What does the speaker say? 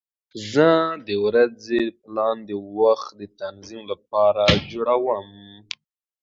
زه د ورځې پلان د وخت د تنظیم لپاره جوړوم.